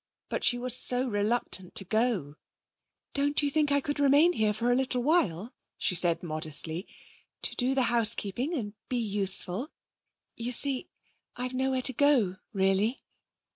But she was so reluctant to go. 'Don't you think I could remain here for a little while?' she said modestly. 'To do the housekeeping and be useful? You see, I've nowhere to go really.'